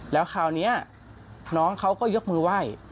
แล้วคราวนี้น้องเขาก็ยกมือไหว้